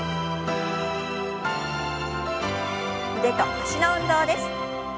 腕と脚の運動です。